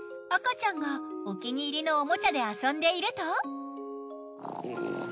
赤ちゃんがお気に入りのおもちゃで遊んでいると。